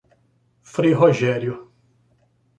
Frei Rogério